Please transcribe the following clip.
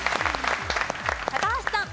高橋さん。